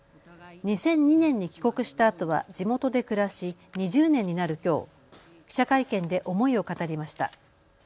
２００２年に帰国したあとは地元で暮らし２０年になるきょう、記者会見で思いを語りました。